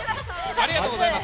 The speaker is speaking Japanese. ありがとうございます。